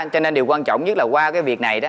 cho nên điều quan trọng nhất là qua cái việc này đó